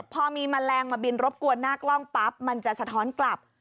พอมีแมลงมาบินรบกวนหน้ากล้องปั๊บมันจะสะท้อนกลับ